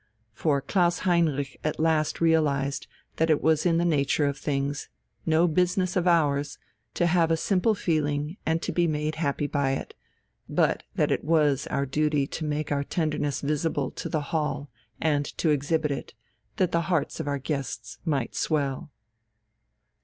For Klaus Heinrich at last realized that it was in the nature of things, no business of ours, to have a simple feeling and to be made happy by it, but that it was our duty to make our tenderness visible to the Hall and to exhibit it, that the hearts of our guests might swell.